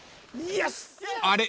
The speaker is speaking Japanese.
［あれ？